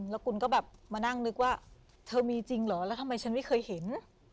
แล้วคุณก็แบบมานั่งนึกว่าเธอมีจริงเหรอแล้วทำไมฉันไม่เคยเห็น